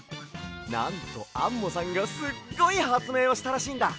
なんとアンモさんがすっごいはつめいをしたらしいんだ。